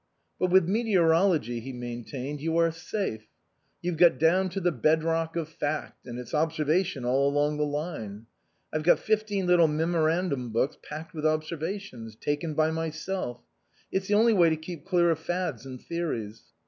" But with meteorology," he maintained, " you are safe. You've got down to the bed rock of fact, and it's observation all along the line. I've got fifteen little memorandum books packed with observations. Taken by myself. It's the only way to keep clear of fads and theories.